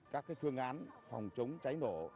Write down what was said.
các phương án phòng chống cháy nổ